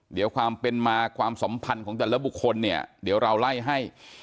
เดี๋ยวความเป็นมาความสัมพันธ์ของแต่ละบุคคลเนี่ยเดี๋ยวเราไล่ให้